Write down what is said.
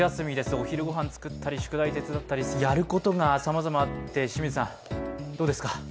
お昼ごはん作ったり宿題手伝ったり、やることがさまざまあって、清水さん、どうですか。